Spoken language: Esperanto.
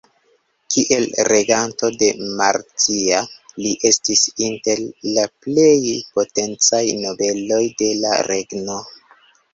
Kiel reganto de Mercia, li estis inter la plej potencaj nobeloj de la regno.